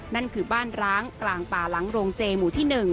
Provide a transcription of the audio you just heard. นั่นคือบ้านร้างกลางป่าหลังโรงเจหมู่ที่๑